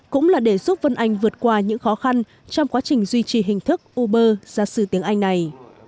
cũng là để giúp vân anh vượt qua những khó khăn trong quá trình duy trì hình thức uber gia sư tiếng anh này